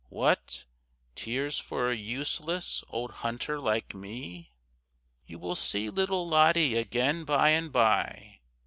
What! Tears for a useless old hunter like me? You will see little Lottie again by and by.